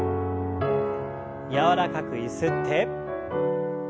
柔らかくゆすって。